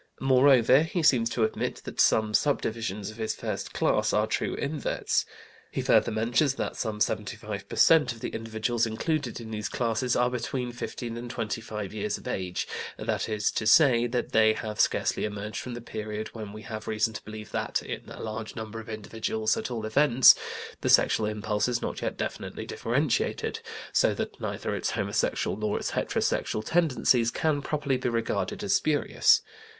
Moreover, he seems to admit that some subdivisions of his first class are true inverts. He further mentions that some 75 per cent. of the individuals included in these classes are between 15 and 25 years of age, that is to say, that they have scarcely emerged from the period when we have reason to believe that, in a large number of individuals at all events, the sexual impulse is not yet definitely differentiated; so that neither its homosexual nor its heterosexual tendencies can properly be regarded as spurious.